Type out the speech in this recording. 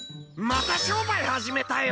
また商売始めたよ。